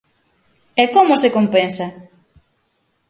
E ¿como se compensa?